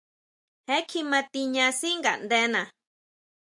Je kjima tiña sʼí ngaʼndena.